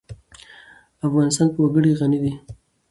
افغانستان په وګړي غني دی.